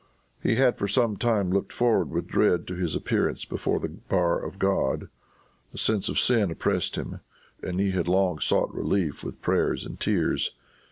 He had for some time looked forward with dread to his appearance before the bar of God. A sense of sin oppressed him, and he had long sought relief with prayers and tears.